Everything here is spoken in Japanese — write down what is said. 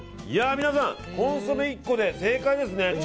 皆さん、コンソメ１個で正解ですね。